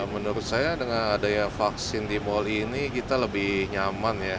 menurut saya dengan adanya vaksin di mall ini kita lebih nyaman ya